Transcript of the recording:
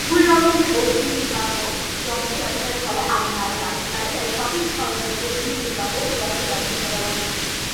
ভুল রকমের অগ্নিনির্বাপক যন্ত্র ব্যবহারের ফলে আগুন আরও বাড়তে পারে তাই সঠিক ধরনের অগ্নিনির্বাপক যন্ত্র ব্যবহার করা উচিত।